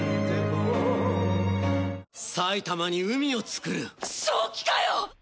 埼玉に海を作る正気かよ！